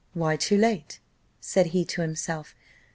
"Why too late?" said he to himself.